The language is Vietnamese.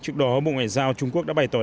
trước đó bộ ngoại giao trung quốc đã bày tỏ